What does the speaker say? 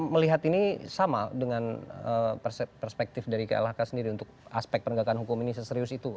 melihat ini sama dengan perspektif dari klhk sendiri untuk aspek penegakan hukum ini seserius itu